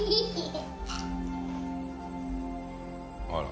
あら！